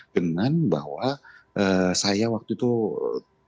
dengan bahwa saya waktu itu tidak bisa berbicara